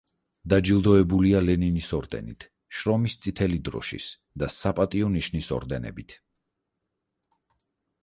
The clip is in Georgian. დაჯილდოებულია ლენინის ორდენით, შრომის წითელი დროშის და „საპატიო ნიშნის“ ორდენებით.